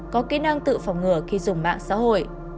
có kỹ năng tự phòng ngừa khi dùng mạng xã hội